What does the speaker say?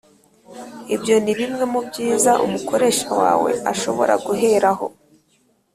Ibyo ni bimwe mu byiza umukoresha wawe ashobora guheraho